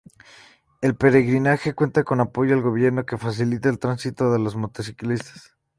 El peregrinaje cuenta con apoyo del gobierno que facilita el tránsito de los motociclistas.